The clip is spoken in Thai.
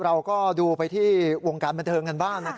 เราก็ดูไปที่วงการบันเทิงกันบ้าง